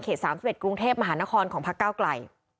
๓๑กรุงเทพมหานครของพักเก้าไกล